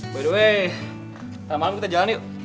by the way malam kita jalan yuk